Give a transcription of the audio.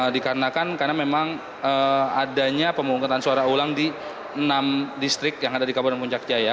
dikarenakan karena memang adanya pemungkutan suara ulang di enam distrik yang ada di kabupaten puncak jaya